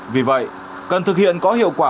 vì vậy cần thực hiện có hiệu quả